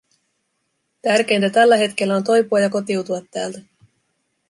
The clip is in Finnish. Tärkeintä tällä hetkellä on toipua ja kotiutua täältä.